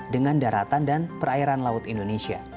dengan daratan dan perairan laut indonesia